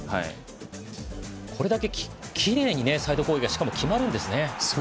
これだけきれいにサイド攻撃が決まるんですね。